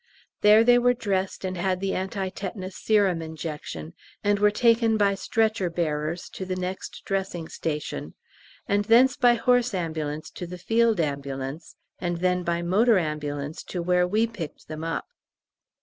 There they were dressed and had the anti tetanus serum injection, and were taken by stretcher bearers to the next Dressing Station, and thence by horse ambulance to the Field Ambulance, and then by motor ambulance to where we picked them up.